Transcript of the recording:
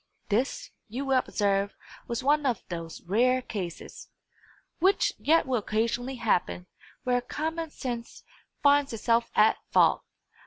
This, you will observe, was one of those rare cases, which yet will occasionally happen, where common sense finds itself at fault.